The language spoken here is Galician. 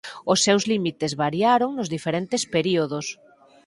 Os seus límites variaron nos diferentes períodos.